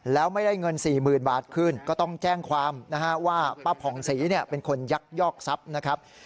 แล้วไม่ได้เงิน๔๐๐๐บาทคืนก็ต้องแจ้งความนะฮะว่าป้าผ่องศรีเป็นคนยักยอกทรัพย์นะครับ